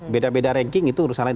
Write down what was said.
beda beda ranking itu urusan lain